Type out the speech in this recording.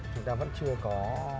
chúng ta vẫn chưa có